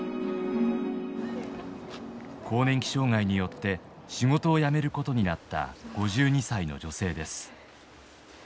更年期障害によって仕事を辞めることになった５２歳の女性です。